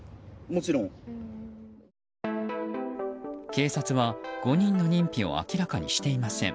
警察は５人の認否を明らかにしていません。